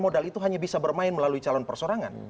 modal itu hanya bisa bermain melalui calon persorangan